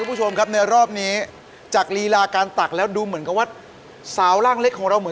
โป๊ะตลอดเลย